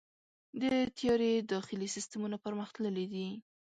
د طیارې داخلي سیستمونه پرمختللي دي.